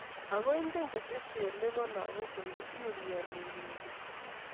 Ako ingen keteshe ne be lagok kole iumianik weriik.